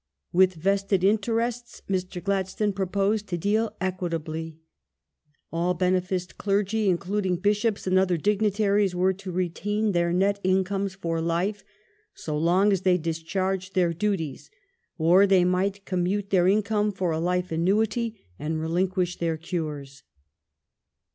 With vested interests Mr. Glad stone proposed to deal equitably : all beneficed clergy, including bis hops and other dignitaries, were to retain their net income for life, so long as they discharged their duties ; or they might commute their income for a life annuity and relinquish their cures.